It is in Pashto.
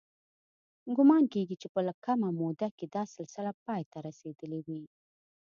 ګومان کېږي چې په کمه موده کې دا سلسله پای ته رسېدلې وي.